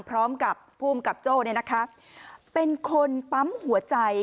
พร้อมกับผู้กำกับโจ้เนี่ยนะคะเป็นคนปั๊มหัวใจ